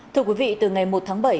thưa quý vị từ ngày một tháng bảy